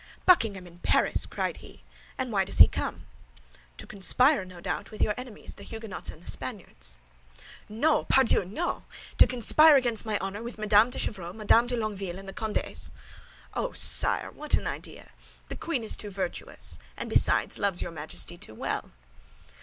"Buckingham in Paris!" cried he, "and why does he come?" "To conspire, no doubt, with your enemies, the Huguenots and the Spaniards." "No, pardieu, no! To conspire against my honor with Madame de Chevreuse, Madame de Longueville, and the Condés." "Oh, sire, what an idea! The queen is too virtuous; and besides, loves your Majesty too well."